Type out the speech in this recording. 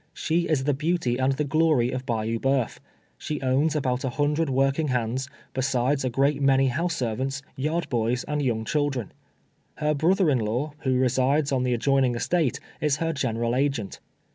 She is the beau ty and the glory of Bayou Boeuf. She owns about a hundred working hands, besides a great many house servants, yard boys, and young children. Her broth er in law, who resides on the adjoining estate, is her general agent.